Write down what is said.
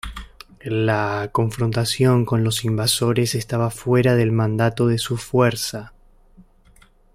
La confrontación con los invasores estaba fuera del mandato de su Fuerza.